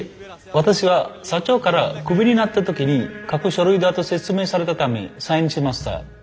私は社長からクビになった時に書く書類だと説明されたためサインしました。